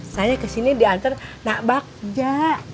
saya kesini diantar nak bakjak